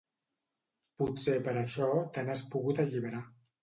Potser per això te n'has pogut alliberar.